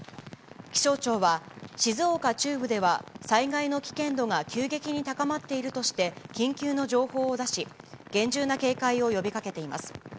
気象庁は、静岡中部では災害の危険度が急激に高まっているとして緊急の情報を出し、厳重な警戒を呼びかけています。